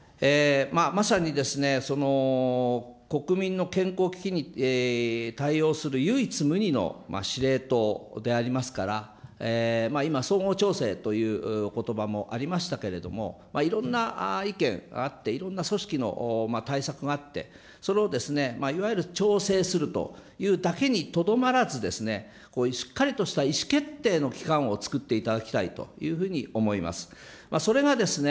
まさに国民の健康危機に対応する唯一無二の司令塔でありますから、今、総合調整というおことばありましたけれども、いろんな意見があって、いろんな組織の対策があって、それをいわゆる調整するというだけにとどまらず、しっかりとした意思決定の機関をつくっていただきたいというふうに思います。